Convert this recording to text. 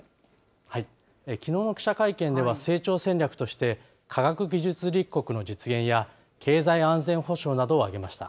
きのうの記者会見では、成長戦略として、科学技術立国の実現や、経済安全保障などを挙げました。